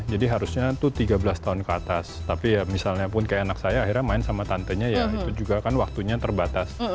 jadi harusnya tuh tiga belas tahun ke atas tapi ya misalnya pun kayak anak saya akhirnya main sama tantenya ya itu juga kan waktunya terbatas